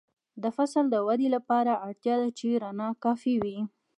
د فصل د ودې لپاره اړتیا ده چې رڼا کافي وي.